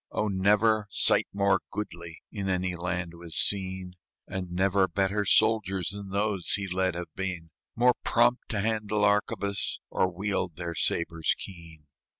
Oh, never sight more goodly In any land was seen; And never better soldiers Than those he led have been, More prompt to handle arquebus, Or wield their sabres keen.